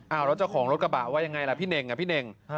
แล้วเจ้าของรถกระบะว่ายังไงล่ะพี่เน่ง